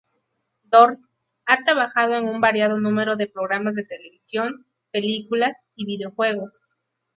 Dorn ha trabajado en un variado número de programas de televisión, películas y videojuegos.